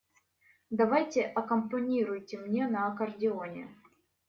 Давайте аккомпанируйте мне на аккордеоне.